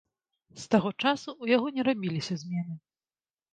З таго часу ў яго не рабіліся змены.